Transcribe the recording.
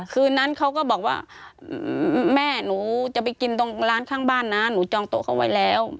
คืนนั้นเขาก็บอกว่าแม่หนูจะไปกินตรงร้านข้างบ้านนะหนูจองโต๊ะเขาไว้แล้ว